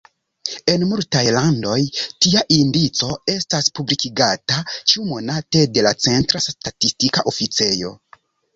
En multaj landoj, tia indico estas publikigata ĉiumonate de la centra statistika oficejo.